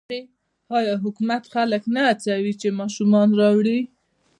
آیا حکومت خلک نه هڅوي چې ماشومان راوړي؟